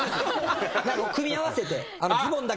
組み合わせて。